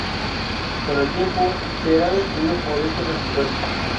Con el tiempo, será destruido por estos anticuerpos.